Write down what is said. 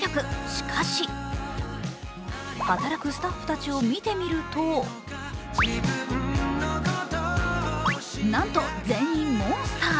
しかし働くスタッフたちを見てみるとなんと全員モンスター。